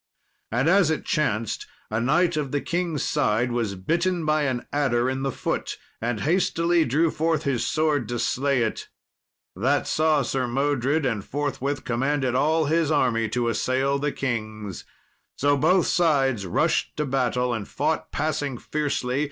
And as it chanced, a knight of the king's side was bitten by an adder in the foot, and hastily drew forth his sword to slay it. That saw Sir Modred, and forthwith commanded all his army to assail the king's. So both sides rushed to battle, and fought passing fiercely.